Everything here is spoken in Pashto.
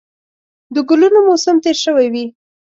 د ګلونو موسم تېر شوی وي